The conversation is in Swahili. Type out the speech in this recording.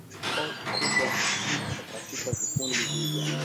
otter kubwa huishi katika vikundi vya kijamii